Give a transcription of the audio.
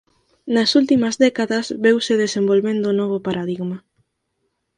Nas últimas décadas veuse desenvolvendo o novo paradigma.